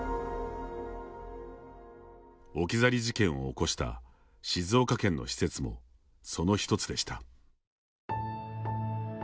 置き去り事件を起こした静岡県の施設もその一つでした。